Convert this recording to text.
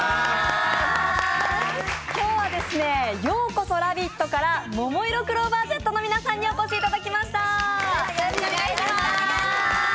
今日は「＃ようこそラヴィット！」からももいろクローバーＺの皆さんにお越しいただきました。